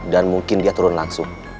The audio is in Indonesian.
dan mungkin dia turun langsung